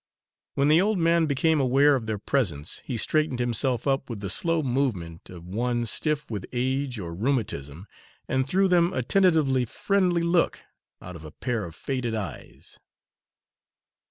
When the old man became aware of their presence, he straightened himself up with the slow movement of one stiff with age or rheumatism and threw them a tentatively friendly look out of a pair of faded eyes.